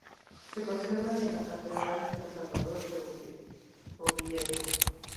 Se conserva en la Catedral de San Salvador de Oviedo.